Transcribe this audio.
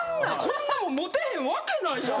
こんなもんモテへんわけないやんな。